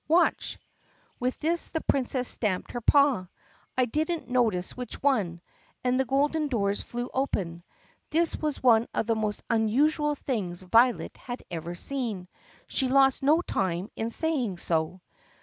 Watch!" With this the Princess stamped her paw — I did n't notice which one — and the golden doors flew open. This was one of the most unusual things Violet had ever seen. She lost no time in saying so.